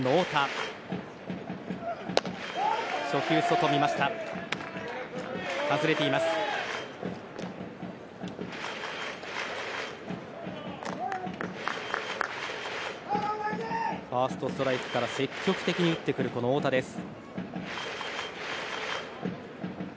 ファーストストライクから積極的に打ってくる太田です。